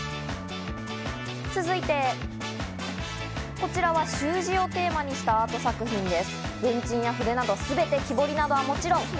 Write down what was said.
続いて、こちらは習字をテーマにしたアート作品です。